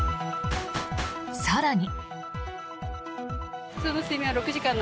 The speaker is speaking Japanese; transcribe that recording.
更に。